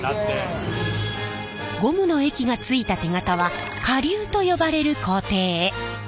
ゴムの液がついた手型は加硫と呼ばれる工程へ。